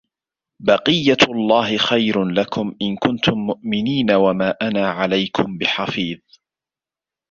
بَقِيَّتُ اللَّهِ خَيْرٌ لَكُمْ إِنْ كُنْتُمْ مُؤْمِنِينَ وَمَا أَنَا عَلَيْكُمْ بِحَفِيظٍ